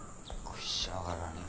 「くしゃがら」ねえ。